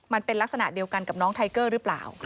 มันเป็นลักษณะเดียวกันกับน้องไทเกอร์หรือเปล่า